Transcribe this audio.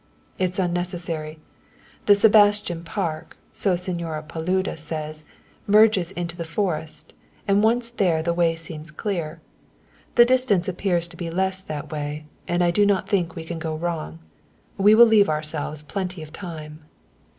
"It's unnecessary. The Sebastin Park, so Señora Paluda says, merges into the forest, and once there the way seems clear. The distance appears to be less that way, and I do not think we can go wrong. We will leave ourselves plenty of time."